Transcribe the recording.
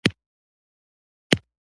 عطرونه چي زه راوړم د هغوی بیي یو ډول نه وي